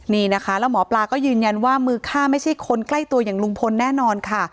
นี่นะคะแล้วหมอปลาก็ยืนยันว่ามือฆ่าไม่ใช่คนใกล้ตัวอย่างลุงพลแน่นอนค่ะ